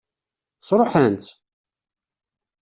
Sṛuḥen-tt?